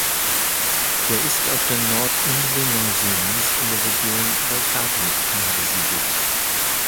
Der ist auf der Nordinsel Neuseelands in der Region Waikato angesiedelt.